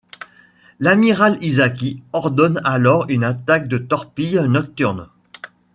L'Amiral Isaki ordonne alors une attaque de torpille nocturne.